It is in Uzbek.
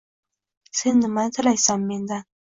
Sen nimani tilaysan mendan?